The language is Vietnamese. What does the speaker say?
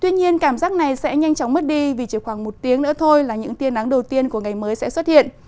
tuy nhiên cảm giác này sẽ nhanh chóng mất đi vì chỉ khoảng một tiếng nữa thôi là những tiên nắng đầu tiên của ngày mới sẽ xuất hiện